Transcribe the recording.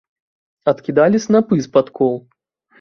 Адкідалі снапы з-пад кол.